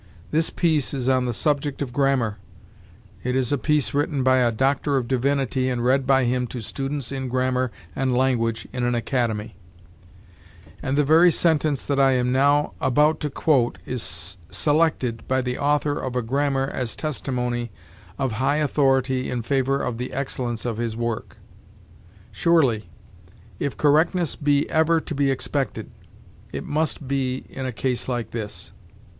This piece is on the subject of grammar; it is a piece written by a Doctor of Divinity and read by him to students in grammar and language in an academy; and the very sentence that I am now about to quote is selected by the author of a grammar as testimony of high authority in favor of the excellence of his work. Surely, if correctness be ever to be expected, it must be in a case like this.